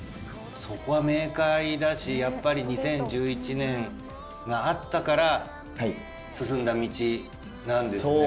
そこは明快だしやっぱり２０１１年があったから進んだ道なんですね。